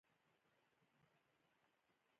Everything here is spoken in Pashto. هغې وویل: ورته وګوره، بیخي بې منطقه خبرې دي.